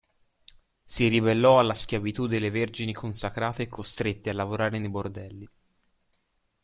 Si ribellò alla schiavitù delle vergini consacrate costrette a lavorare nei bordelli.